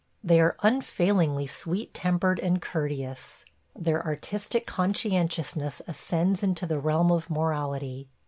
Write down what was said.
They are unfailingly sweet tempered and courteous. Their artistic conscientiousness ascends into the realm of morality.